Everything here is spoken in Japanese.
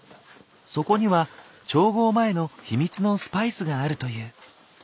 そこには調合前の秘密のスパイスがあるという。